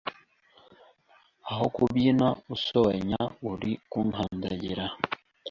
aho kubyina usobanya uri kunkandagira